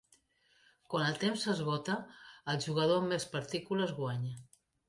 Quan el temps s'esgota, el jugador amb més partícules guanya.